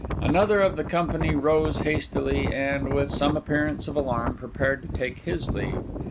Another of the company rose hastily, and, with some appearance of alarm, prepared to take his leave.